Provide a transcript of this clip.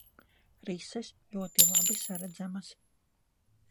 Rises ļoti labi saredzamas.